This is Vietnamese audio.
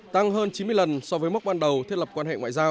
tăng hơn chín mươi lần so với mốc ban đầu thiết lập quan hệ ngoại giao